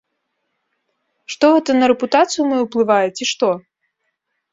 Што гэта на рэпутацыю маю ўплывае ці што?!